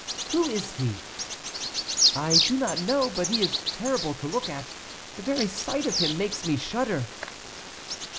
"Who is he?" "I do not know, but he is terrible to look at; the very sight of him makes me shudder."